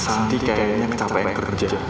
kasian santi kayaknya kecapai kerja